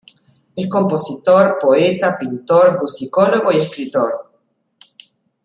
Es compositor, poeta, pintor, musicólogo y escritor.